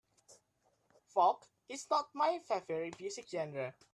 Folk is not my favorite music genre.